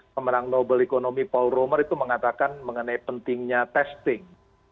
pemenang nobel economy paul romer itu mengatakan mengenai pentingnya testing